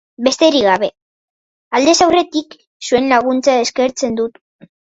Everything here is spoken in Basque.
Besterik gabe, aldez aurretik zuen laguntza eskertzen dut.